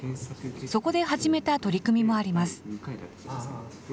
そこで始めた取り組みもあります。